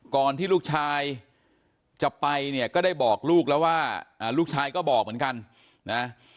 ก่อนที่ลูกชายจะไปเนี่ยก็ได้บอกลูกแล้วว่าลูกชายก็บอกเหมือนกันนะ